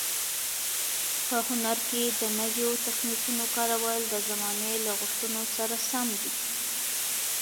په هنر کې د نویو تخنیکونو کارول د زمانې له غوښتنو سره سم دي.